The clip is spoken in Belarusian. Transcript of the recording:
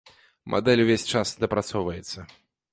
Мадэль увесь час дапрацоўваецца.